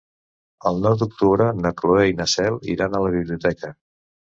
El nou d'octubre na Cloè i na Cel iran a la biblioteca.